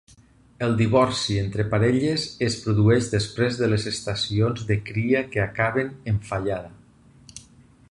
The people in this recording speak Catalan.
El divorci entre parelles es produeix després de les estacions de cria que acaben en fallada.